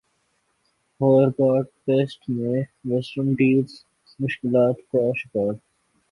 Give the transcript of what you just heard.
Hobart test میں West Indies مشکلات کا شکار